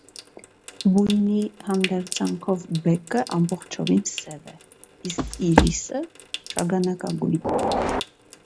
Բույնի հանդերձանքով բեկը ամբողջովին սև է, իսկ իրիսը ՝ շագանակագույն։